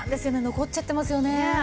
残っちゃってますよね。